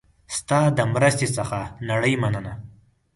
ستا د مرستې څخه نړۍ مننه